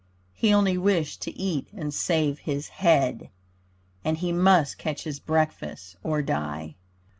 He only wished to eat and save his head, And he must catch his breakfast, or die.